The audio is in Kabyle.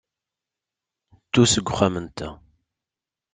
Ddu seg uxxam-nteɣ.